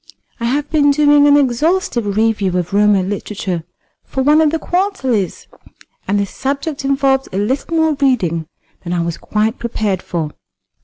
I have been doing an exhaustive review of Roman literature for one of the quarterlies, and the subject involved a little more reading than I was quite prepared for."